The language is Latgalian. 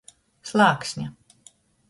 Slāksne.